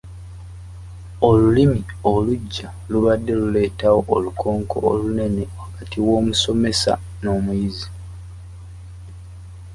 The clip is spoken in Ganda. Olulimi oluggya lubadde luleetawo olukonko olunene wakati w’omusomesa n’omuyizi.